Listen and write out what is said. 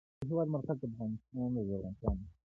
د هېواد مرکز د افغانستان د زرغونتیا نښه ده.